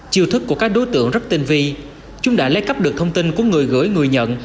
chiêu thức của các đối tượng rất tinh vi chúng đã lấy cắp được thông tin của người gửi người nhận